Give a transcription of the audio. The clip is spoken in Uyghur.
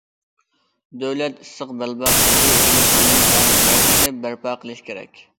دۆلەت ئىسسىق بەلباغ يېزا ئىگىلىك ئىلىم- پەن مەركىزى بەرپا قىلىش كېرەك.